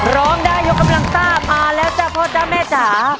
ร้องได้ยกกำลังซ่ามาแล้วจ้ะพ่อจ๊ะแม่จ๋า